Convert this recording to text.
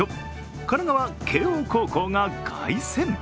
神奈川・慶応高校が凱旋。